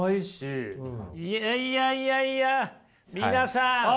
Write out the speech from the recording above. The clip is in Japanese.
いやいやいやいや皆さん